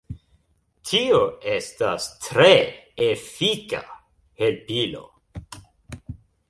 Tio estas tre efika helpilo.